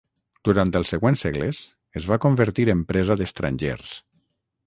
Durant els següents segles es va convertir en presa d'estrangers.